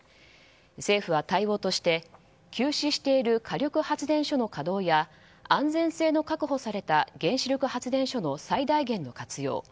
政府は対応として休止している火力発電所の稼働や安全性の確保された原子力発電所の最大限の活用